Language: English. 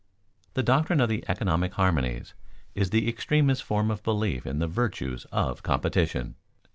_The doctrine of the "economic harmonies" is the extremest form of belief in the virtues of competition.